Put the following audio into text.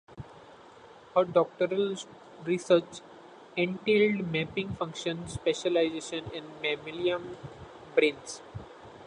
Her doctoral research entailed mapping functional specialization in mammalian brains.